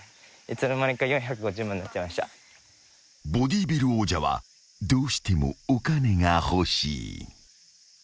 ［ボディビル王者はどうしてもお金が欲しい］